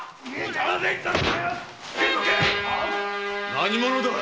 ・何者だ！